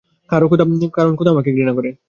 কারণ খোদা আমাকে ঘৃণা করে।